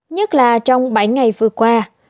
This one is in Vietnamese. nhất là trong bảy ngày vừa qua